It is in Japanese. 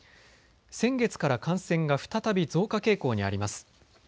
先月から感染が再び増加傾向にあります。